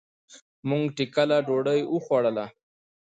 مونږ ټکله ډوډي وخوړله.